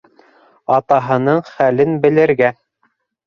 Атаһының хәлен белергә.